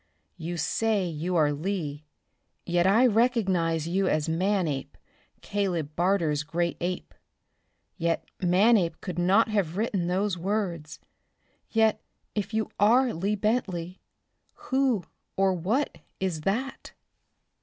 You say you are Lee, yet I recognize you as Manape, Caleb Barter's great ape. Yet Manape could not have written those words. Yet, if you are Lee Bentley, who or what is that?"